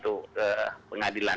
terima kasih pak